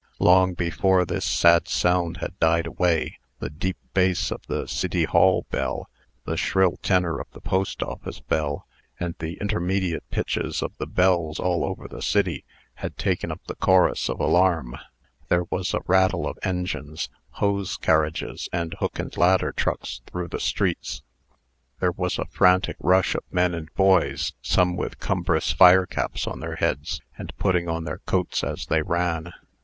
Long before this sad sound had died away, the deep bass of the City Hall bell, the shrill tenor of the Post Office bell, and the intermediate pitches of the bells all over the city, had taken up the chorus of alarm. There was a rattle of engines, hose carriages, and hook and ladder trucks through the streets. There was a frantic rush of men and boys, some with cumbrous fire caps on their heads, and putting on their coats as they ran.